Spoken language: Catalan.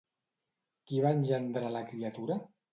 Qui va engendrar a la criatura?